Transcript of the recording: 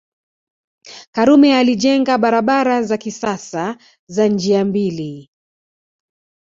Karume alijenga barabara za kisasa za njia mbili